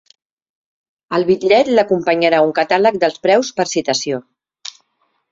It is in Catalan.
Al bitllet l'acompanyarà un catàleg dels preus per citació.